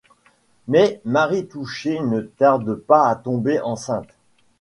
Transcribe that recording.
Mais Marie Touchet ne tarde pas à tomber enceinte.